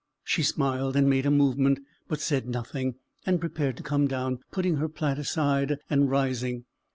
She smiled, and made a movement, but said nothing; and prepared to come down, putting her plaid aside and rising.